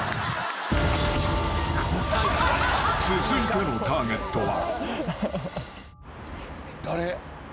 ［続いてのターゲットは］